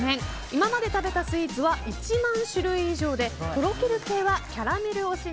今まで食べたスイーツは１万種類以上でとろける系はキャラメル推し